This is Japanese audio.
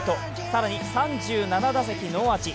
更に３７打席ノーアーチ。